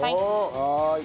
はい。